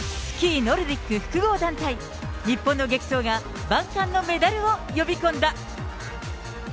スキーノルディック複合団体、日本の激走が万感のメダルを呼び込んだ。